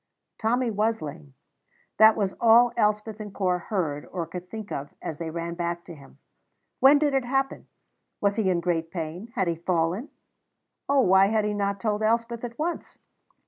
Tommy was lame; that was all Elspeth and Corp heard or could think of as they ran back to him. When did it happen? Was he in great pain? Had he fallen? Oh, why had he not told Elspeth at once?